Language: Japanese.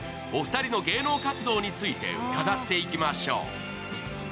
お二人の芸能活動について伺っていきましょう。